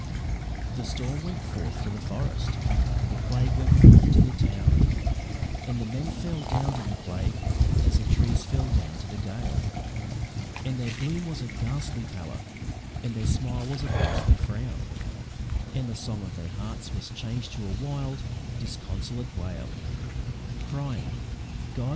The storm went forth to the forest, the plague went forth to the town, And the men fell down to the plague, as the trees fell down to the gale; And their bloom was a ghastly pallor, and their smile was a ghastly frown, And the song of their hearts was changed to a wild, disconsolate wail, Crying "God!